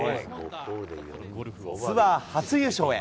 ツアー初優勝へ。